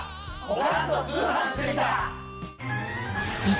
『おかんと通販してみた！』。